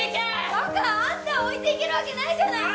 バカッあんたを置いていけるわけないじゃない！